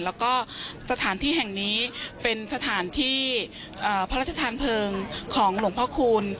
แล้วก็สถานที่แห่งนี้เป็นสถานที่พระราชทานเพลิงของหลวงพ่อคูณ